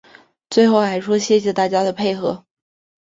最后还说谢谢大家的配合